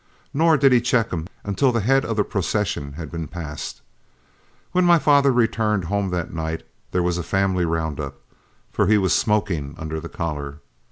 Nor did he check him until the head of the procession had been passed. When my father returned home that night, there was a family round up, for he was smoking under the collar.